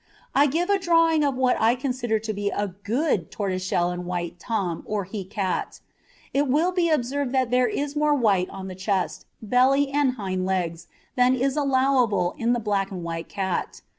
I give a drawing of what I consider to be a GOOD tortoiseshell and white tom or he cat. It will be observed that there is more white on the chest, belly, and hind legs than is allowable in the black and white cat.